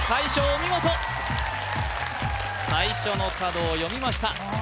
お見事最初の角を読みました